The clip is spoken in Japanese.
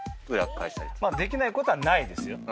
できないことはないですよ。